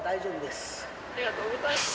ありがとうございます。